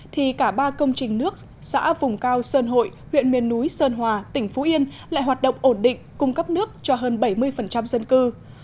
thì cả ba công trình nước xã vùng cao sơn hội huyện miền núi sơn hòa tỉnh phú yên lại hoạt động ổn định cung cấp nước cho hơn bảy mươi dân cư